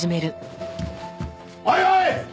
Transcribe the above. おいおい！